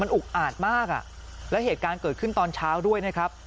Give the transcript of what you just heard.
อุกอาดมากอ่ะแล้วเหตุการณ์เกิดขึ้นตอนเช้าด้วยนะครับ